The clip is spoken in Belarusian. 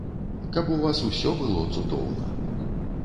Каб у вас усё было цудоўна.